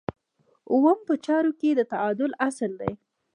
اووم په چارو کې د تعادل اصل دی.